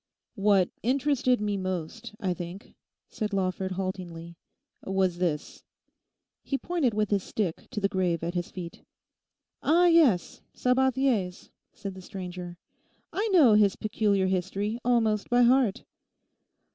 'What interested me most, I think,' said Lawford haltingly, 'was this.' He pointed with his stick to the grave at his feet. 'Ah, yes, Sabathier's,' said the stranger; 'I know his peculiar history almost by heart.